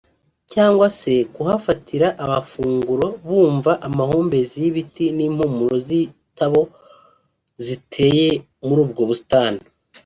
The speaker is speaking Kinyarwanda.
cyangwa se kuhafatira abafunguro bumva amahumbezi y’ibiti n’impumuro z’itabo ziteye muri ubwo busitani